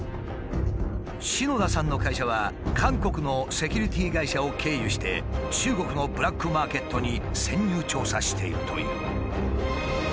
篠田さんの会社は韓国のセキュリティー会社を経由して中国のブラックマーケットに潜入調査しているという。